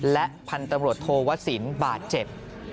และพันธุมรสโทวะศิลป์บาดเจ็บ